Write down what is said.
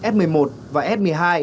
s chín s một mươi một và s một mươi hai